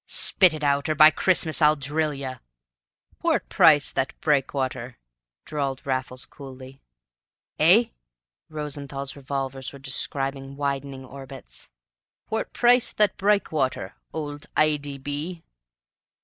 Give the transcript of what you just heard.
"Spit it out, or, by Christmas, I'll drill you!" "Whort price thet brikewater?" drawled Raffles coolly. "Eh?" Rosenthall's revolvers were describing widening orbits. "Whort price thet brikewater old _I.D.B.